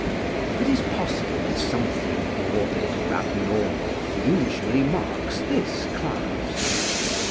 It is possible that something morbid or abnormal usually marks this class.